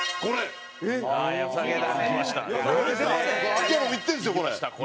秋山も行ってるんですよこれ！